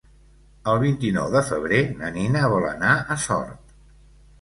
El vint-i-nou de febrer na Nina vol anar a Sort.